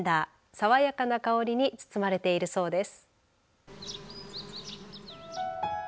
爽やかな香りに包まれているそうです。